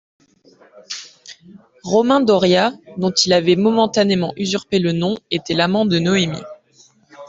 Romain Doria, dont il avait momentanément usurpé le nom, était l'amant de Noémie.